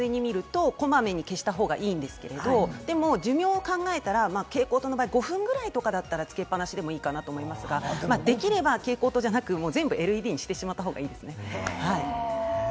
電気代だけを純粋に見ると、こまめに消したほうがいいんですけれど、寿命を考えたら蛍光灯の場合、５分ぐらいだったら、つけっ放しでもいいかと思いますが、できれば蛍光灯じゃなく全部ＬＥＤにしてしまったほうがいいですね。